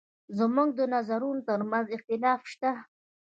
زموږ د نظرونو تر منځ اختلاف شته.